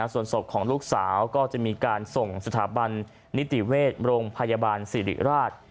ส่วนศพของลูกสาวก็จะมีการส่งสถาบันนิติเวชโรงพยาบาลสิริราช